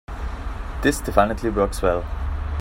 This definitely works well.